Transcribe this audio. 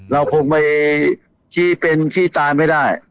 เราคงไปชี้เป็นชี้ตายไม่ได้